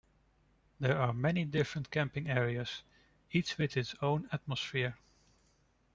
There are many different camping areas, each with its own atmosphere.